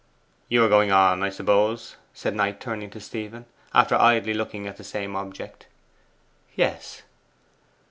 'You are going on, I suppose?' said Knight, turning to Stephen, after idly looking at the same object. 'Yes.